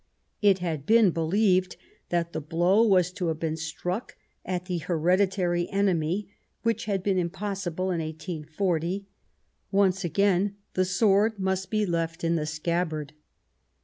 It had been believed that the blow was to have been struck at the hereditary enemy which had been impossible in 1840 ; once again the sword must be left in the scabbard.